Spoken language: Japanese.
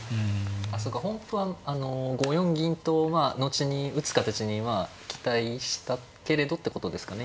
そうか本譜は５四銀とまあ後に打つ形に期待したけれどってことですかね。